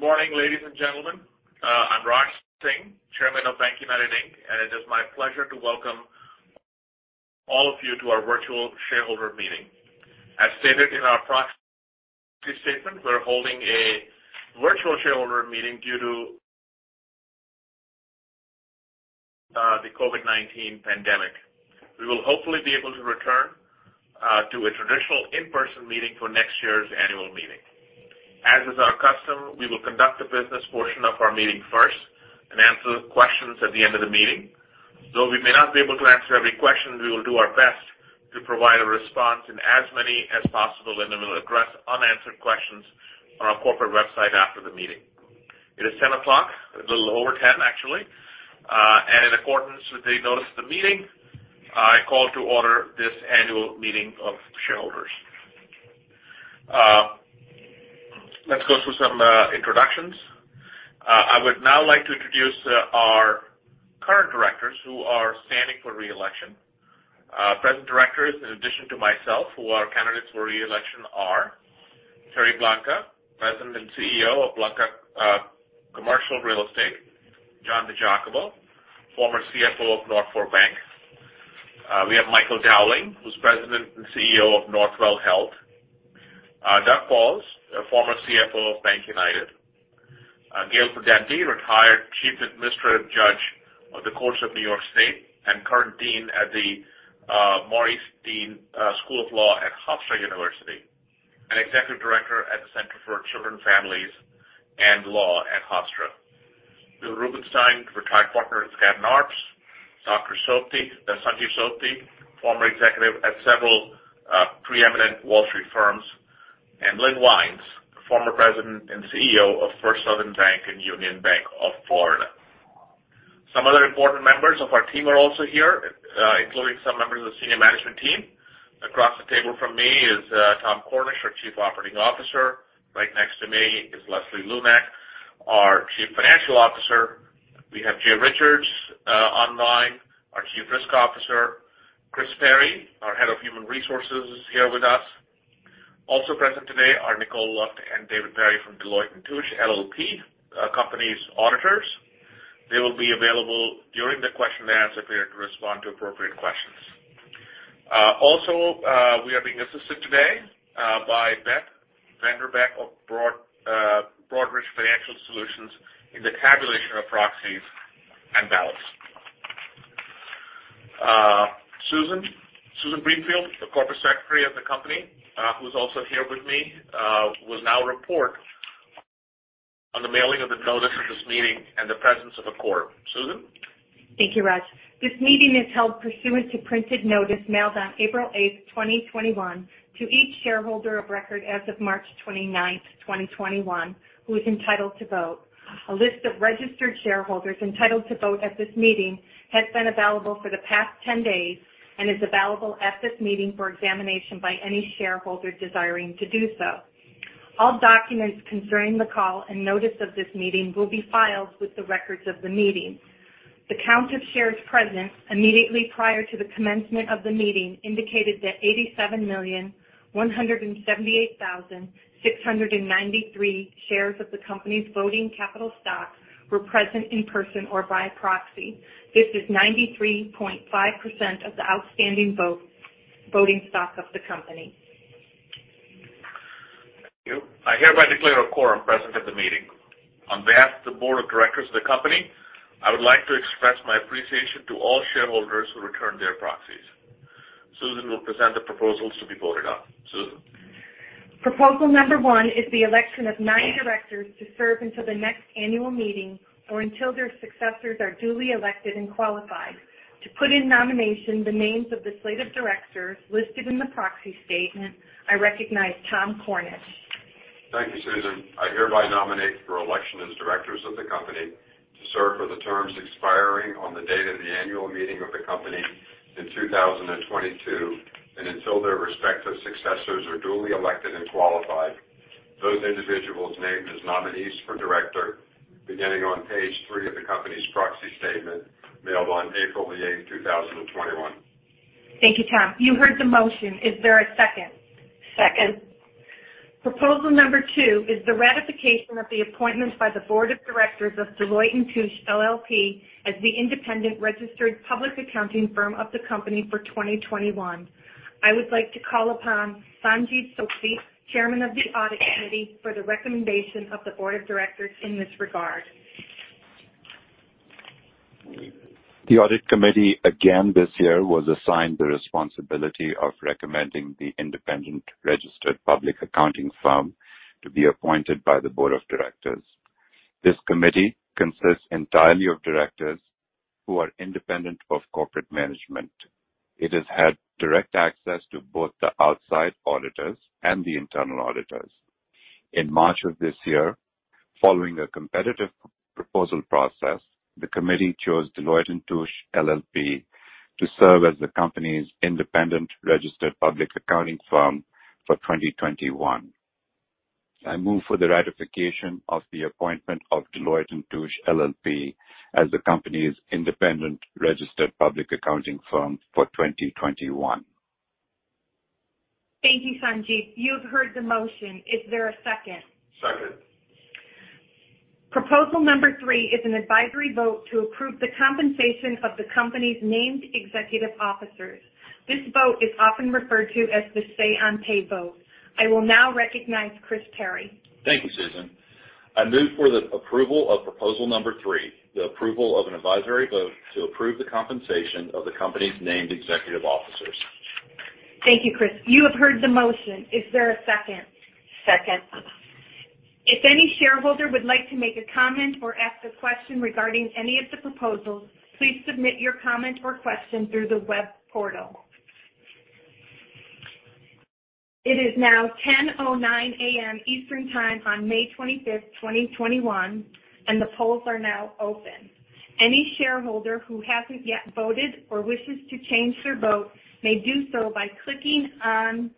Good morning, ladies and gentlemen. I'm Raj Singh, Chairman of BankUnited, Inc., and it is my pleasure to welcome all of you to our virtual shareholder meeting. As stated in our proxy statement, we're holding a virtual shareholder meeting due to the COVID-19 pandemic. We will hopefully be able to return to a traditional in-person meeting for next year's annual meeting. As is our custom, we will conduct the business portion of our meeting first and answer the questions at the end of the meeting. Though we may not be able to answer every question, we will do our best to provide a response in as many as possible and then we'll address unanswered questions on our corporate website after the meeting. It is 10 A.M., a little over 10 actually. In accordance with the notice of the meeting, I call to order this annual meeting of shareholders. Let's go through some introductions. I would now like to introduce our current directors who are standing for re-election. Present directors, in addition to myself, who are candidates for re-election are Tere Blanca, President and CEO of Blanca Commercial Real Estate. John DiGiacomo, former CFO of North Fork Bank. We have Michael Dowling, who's President and CEO of Northwell Health. Douglas Pauls, a former CFO of BankUnited. Gail Prudenti, retired Chief Administrative Judge on the courts of New York State and current Dean at the Maurice A. Deane School of Law at Hofstra University and Executive Director at the Center for Children, Families and the Law at Hofstra. William Rubenstein, retired partner at Skadden Arps. Sanjiv Sobti, former executive at several preeminent Wall Street firms. Lynne Wines, former President and CEO of First Southern Bank and Union Bank of Florida. Some other important members of our team are also here, including some members of the senior management team. Across the table from me is Tom Cornish, our Chief Operating Officer. Right next to me is Leslie Lunak, our Chief Financial Officer. We have Jay Richards online, our Chief Risk Officer. Chris Perry, our Head of Human Resources is here with us. Present today are Nicole and David Berry from Deloitte & Touche LLP, our company's auditors. They will be available during the question and answer period to respond to appropriate questions. We are being assisted today by Beth VanDerbeck of Broadridge Financial Solutions in the tabulation of proxies and ballots. Susan Greenfield, the Corporate Secretary of the company, who's also here with me, will now report on the mailing of the notice of this meeting and the presence of a quorum. Susan? Thank you, Raj. This meeting is held pursuant to printed notice mailed on April 8th, 2021 to each shareholder of record as of March 29th, 2021, who is entitled to vote. A list of registered shareholders entitled to vote at this meeting has been available for the past 10 days and is available at this meeting for examination by any shareholder desiring to do so. All documents concerning the call and notice of this meeting will be filed with the records of the meeting. The count of shares present immediately prior to the commencement of the meeting indicated that 87,178,693 shares of the company's voting capital stock were present in person or by proxy. This is 93.5% of the outstanding voting stock of the company. Thank you. I hereby declare a quorum present at the meeting. On behalf of the board of directors of the company, I would like to express my appreciation to all shareholders who returned their proxies. Susan will present the proposals to be voted on. Susan? Proposal number one is the election of nine directors to serve until the next annual meeting or until their successors are duly elected and qualified. To put in nomination the names of the slate of directors listed in the proxy statement, I recognize Tom Cornish. Thank you, Susan. I hereby nominate for election as directors of the company to serve for the terms expiring on the date of the annual meeting of the company in 2022, and until their respective successors are duly elected and qualified. Those individuals named as nominees for director beginning on page three of the company's proxy statement mailed on April the 8th, 2021. Thank you, Tom. You heard the motion. Is there a second? Second. Proposal number two is the ratification of the appointment by the board of directors of Deloitte & Touche LLP as the independent registered public accounting firm of the company for 2021. I would like to call upon Sanjiv Sobti, Chairman of the Audit Committee, for the recommendation of the board of directors in this regard. The audit committee again this year was assigned the responsibility of recommending the independent registered public accounting firm to be appointed by the board of directors. This committee consists entirely of directors who are independent of corporate management. It has had direct access to both the outside auditors and the internal auditors. In March of this year, following a competitive proposal process, the committee chose Deloitte & Touche LLP to serve as the company's independent registered public accounting firm for 2021. I move for the ratification of the appointment of Deloitte & Touche LLP as the company's independent registered public accounting firm for 2021. Thank you, Sanjiv. You have heard the motion. Is there a second? Second. Proposal number three is an advisory vote to approve the compensation of the company's named executive officers. This vote is often referred to as the say on pay vote. I will now recognize Chris Perry. Thank you, Susan. I move for the approval of proposal number three, the approval of an advisory vote to approve the compensation of the company's named executive officers. Thank you, Chris. You have heard the motion. Is there a second? Second. If any shareholder would like to make a comment or ask a question regarding any of the proposals, please submit your comment or question through the web portal. It is now 10:09 A.M. Eastern Time on May 25th, 2021. The polls are now open. Any shareholder who hasn't yet voted or wishes to change their vote may do so by clicking on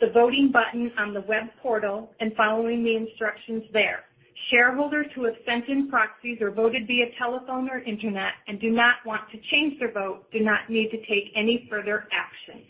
the voting button on the web portal and following the instructions there. Shareholders who have sent in proxies or voted via telephone or internet and do not want to change their vote do not need to take any further action.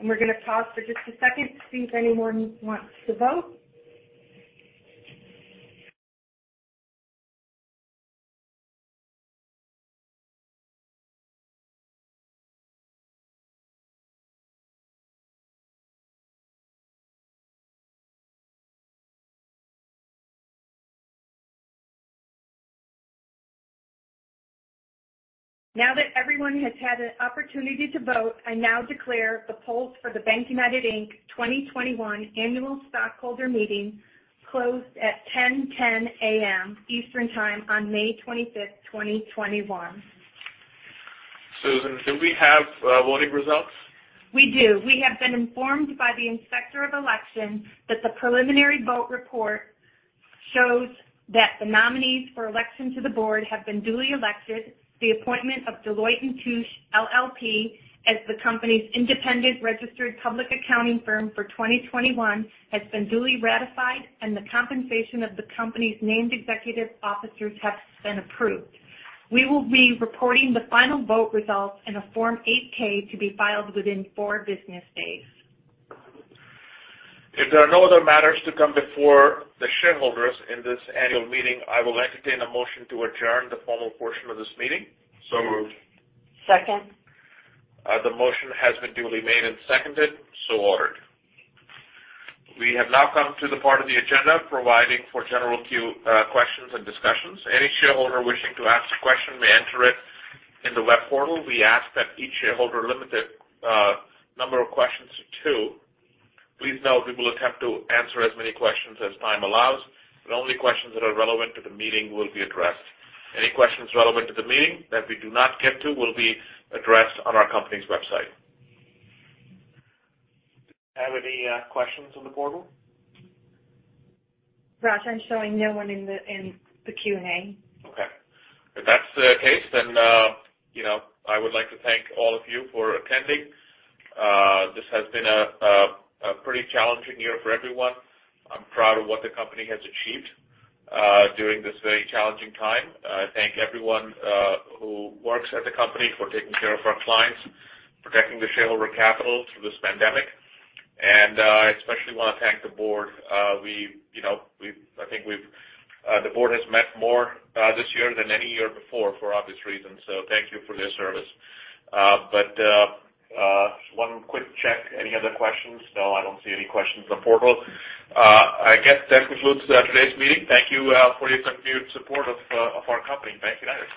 We're going to pause for just a second to see if anyone wants to vote. Now that everyone has had an opportunity to vote, I now declare the polls for the BankUnited, Inc. 2021 annual stockholder meeting closed at 10:10 A.M. Eastern Time on May 25th, 2021. Susan, do we have voting results? We do. We have been informed by the inspector of elections that the preliminary vote report shows that the nominees for election to the board have been duly elected, the appointment of Deloitte & Touche LLP as the company's independent registered public accounting firm for 2021 has been duly ratified, and the compensation of the company's named executive officers has been approved. We will be reporting the final vote results in a Form 8-K to be filed within four business days. If there are no other matters to come before the shareholders in this annual meeting, I will entertain a motion to adjourn the formal portion of this meeting. Moved. Second. The motion has been duly made and seconded. Ordered. We have now come to the part of the agenda providing for general questions and discussions. Any shareholder wishing to ask a question may enter it in the web portal. We ask that each shareholder limit the number of questions to two. Please note we will attempt to answer as many questions as time allows, and only questions that are relevant to the meeting will be addressed. Any questions relevant to the meeting that we do not get to will be addressed on our company's website. Do we have any questions on the portal? Raj, I'm showing no one in the Q and A. Okay. If that's the case, I would like to thank all of you for attending. This has been a pretty challenging year for everyone. I'm proud of what the company has achieved during this very challenging time. I thank everyone who works at the company for taking care of our clients, protecting the shareholder capital through this pandemic, and I especially want to thank the board. I think the board has met more this year than any year before, for obvious reasons. Thank you for your service. Just one quick check. Any other questions? No, I don't see any questions on the portal. I guess that concludes today's meeting. Thank you for your continued support of our company, BankUnited.